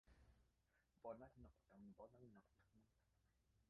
Bonan nokton, bonan nokton!